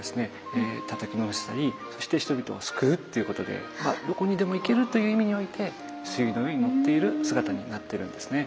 たたき直したりそして人々を救うっていうことでどこにでも行けるという意味において水牛の上に乗っている姿になってるんですね。